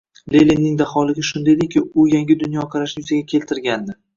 Leninning daholigi shunda ediki, u yangi dunyoqarashni yuzaga keltirgandi.